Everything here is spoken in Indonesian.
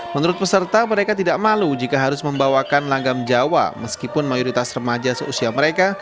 menurut peserta mereka tidak malu jika harus membawakan langgam jawa meskipun mayoritas remaja seusia mereka